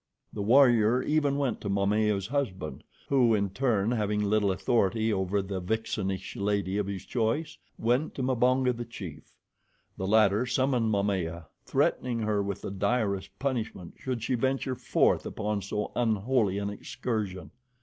The warrior even went to Momaya's husband, who, in turn, having little authority over the vixenish lady of his choice, went to Mbonga, the chief. The latter summoned Momaya, threatening her with the direst punishment should she venture forth upon so unholy an excursion.